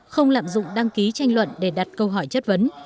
không lạm dụng đăng ký tranh luận để đặt câu hỏi chất vấn